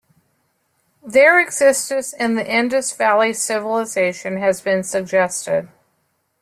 Their existence in the Indus Valley Civilization has been suggested.